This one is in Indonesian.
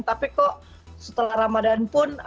tapi kok setelah ramadan pun